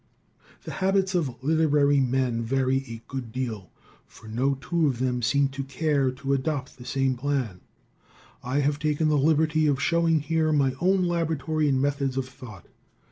The habits of literary men vary a good deal, for no two of them seem to care to adopt the same plan. I have taken the liberty of showing here my own laboratory and methods of thought.